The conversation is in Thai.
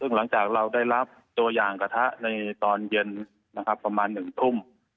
ซึ่งหลังจากเราได้รับตัวอย่างกระทะในตอนเย็นนะครับประมาณ๑ทุ่ม